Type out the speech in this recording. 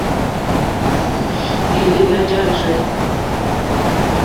Élèlà jârzɛ̂.